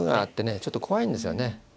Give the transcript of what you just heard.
ちょっと怖いんですよね。